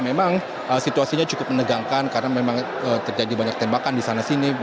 memang situasinya cukup menegangkan karena memang terjadi banyak tembakan di sana sini